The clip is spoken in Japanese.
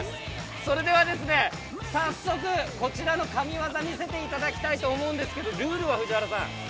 それでは早速こちらの神業、見せていただきたいと思うんですけれども、ルールを藤原さん。